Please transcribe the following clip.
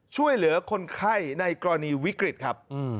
ช่วยเหลือคนไข้ในกรณีวิกฤตครับ